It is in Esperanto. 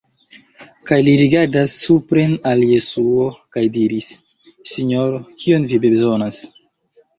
Kaj li rigardas supren al Jesuo kaj diris: "Sinjoro, kion vi bezonas?"